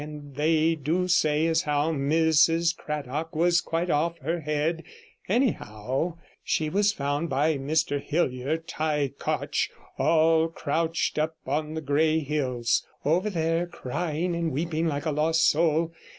And they do say as how Mrs Cradock was quite off her head: anyhow, she was found by Mr Hilly er, Ty Coch, all crouched up on the Grey Hills, over there, crying and weeping like a lost soul.